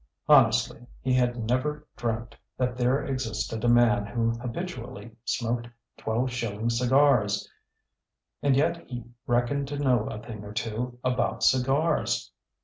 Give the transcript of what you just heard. Honestly, he had never dreamt that there existed a man who habitually smoked twelve shilling cigars and yet he reckoned to know a thing or two about cigars!